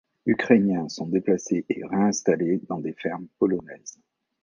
Ukrainiens sont déplacés et réinstallés dans des fermes polonaises.